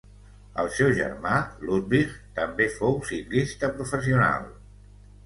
El seu germà Ludwig també fou ciclista professional.